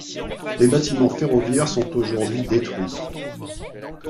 Les bâtiments ferroviaires sont aujourd'hui détruits.